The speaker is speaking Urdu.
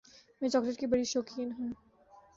میں چاکلیٹ کی بڑی شوقین ہوں۔